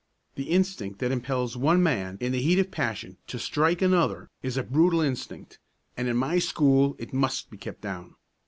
The instinct that impels one man in the heat of passion to strike another is a brutal instinct, and in my school it must be kept down.